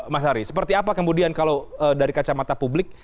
mas ari seperti apa kemudian kalau dari kacamata publik